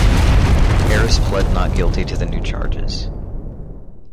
Harris pled not guilty to the new charges.